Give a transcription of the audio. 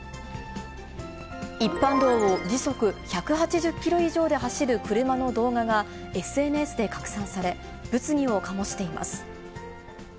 一般道を時速１８０キロ以上で走る車の動画がＳＮＳで拡散され、物議を醸しています。